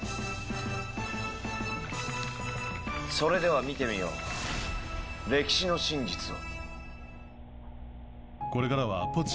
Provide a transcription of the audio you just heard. それでは見てみよう歴史の真実を。